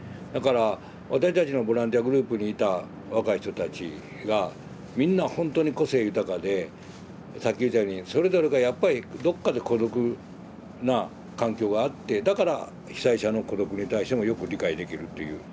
だから私たちのボランティアグループにいた若い人たちがみんなほんとに個性豊かでさっき言うたようにそれぞれがやっぱりどっかで孤独な環境があってだから被災者の孤独に対してもよく理解できるという。